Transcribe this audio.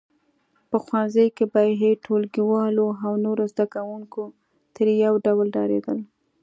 په ښوونځي کې به یې ټولګیوال او نور زده کوونکي ترې یو ډول ډارېدل